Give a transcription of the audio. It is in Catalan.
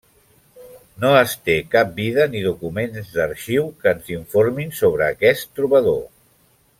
No es té cap vida ni documents d'arxiu que ens informin sobre aquest trobador.